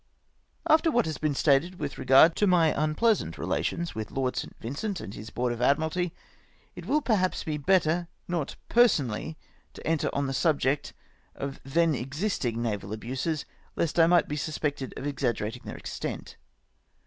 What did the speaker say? After what has been stated with regard to my un pleasant relations with Lord St. Vincent and his Board of Admiralty, it will perhaps be better not personally to enter on the subject of then existing naval abuses, lest I might be suspected of exaggerating their extent.